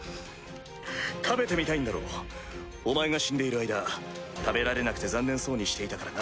食べてみたいんだろうお前が死んでいる間食べられなくて残念そうにしていたからな。